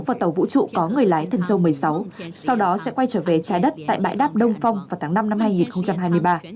và tàu vũ trụ có người lái thần dô một mươi sáu sau đó sẽ quay trở về trái đất tại bãi đáp đông phong vào tháng năm năm hai nghìn hai mươi ba